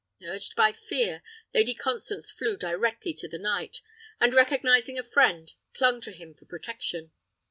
Urged by fear, Lady Constance flew directly to the knight, and recognising a friend, clung to him for protection.